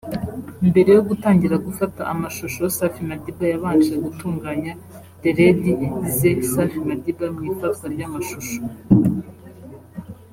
Mbere yo gutangira gufata amashusho Safi Madiba yabanje gutunganya deredi zeSafi Madiba mu ifatwa ry'amashusho